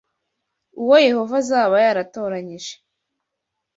uwo Yehova azaba yaratoranyije